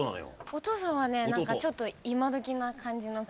お父さんはね何かちょっと今どきな感じの曲をね。